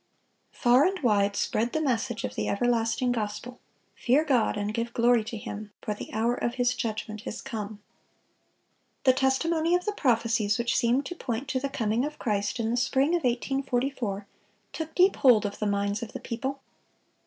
Far and wide spread the message of the everlasting gospel, "Fear God, and give glory to Him; for the hour of His judgment is come." The testimony of the prophecies which seemed to point to the coming of Christ in the spring of 1844, took deep hold of the minds of the people.